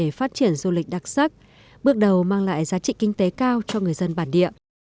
để phát triển du lịch đặc sắc bước đầu mang lại giá trị kinh tế cao cho người dân bản địa